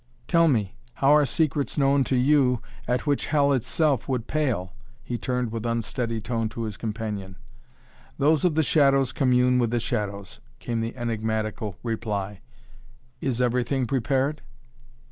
"Tell me, how are secrets known to you at which Hell itself would pale?" he turned with unsteady tone to his companion. "Those of the shadows commune with the shadows," came the enigmatical reply. "Is everything prepared?"